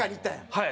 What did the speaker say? はい。